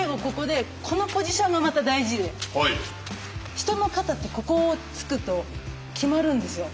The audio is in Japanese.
人の肩ってここを突くと極まるんですよ。